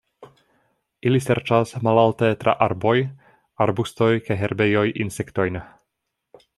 Ili serĉas malalte tra arboj, arbustoj kaj herbejoj insektojn.